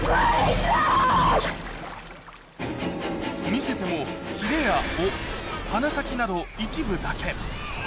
見せてもひれや尾、鼻先など、一部だけ。